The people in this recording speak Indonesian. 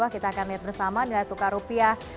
kita akan lihat bersama nilai tukar rupiah